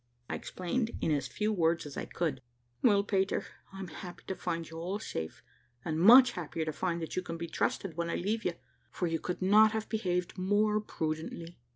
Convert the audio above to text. I explained in as few words as I could. "Well, Peter, I'm happy to find you all safe, and much happier to find that you can be trusted when I leave you, for you could not have behaved more prudently.